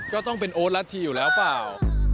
ก็ต้องเป็นโอ๊ตรัฐทีอยู่แล้วเปล่า